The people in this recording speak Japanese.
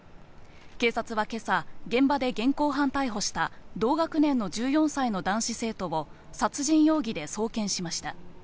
警察は今朝、現場で現行犯逮捕した同学年の１４歳の男子生徒を殺人容疑で送検しました。